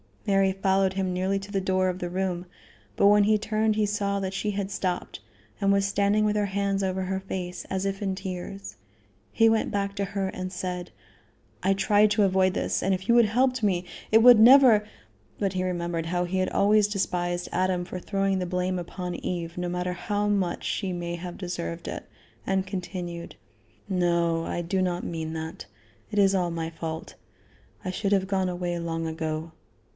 Mary followed him nearly to the door of the room, but when he turned he saw that she had stopped, and was standing with her hands over her face, as if in tears. He went back to her and said: "I tried to avoid this, and if you had helped me, it would never " But he remembered how he had always despised Adam for throwing the blame upon Eve, no matter how much she may have deserved it, and continued: "No; I do not mean that. It is all my fault. I should have gone away long ago.